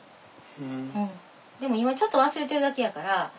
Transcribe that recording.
でも今ちょっと忘れてるだけやから。